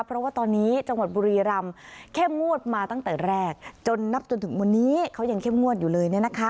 เพราะว่าตอนนี้จังหวัดบุรีรำเข้มงวดมาตั้งแต่แรกจนนับจนถึงวันนี้เขายังเข้มงวดอยู่เลย